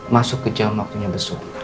masuk ke jalan waktunya besok